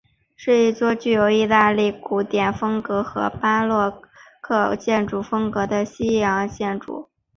是一座具有意大利古典风格和巴洛克建筑风格的西洋建筑。